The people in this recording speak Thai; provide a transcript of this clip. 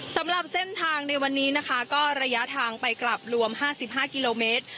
สำหรับเส้นทางในวันนี้นะคะก็ระยะทางไปกลับรวม๕๕กิโลเมตร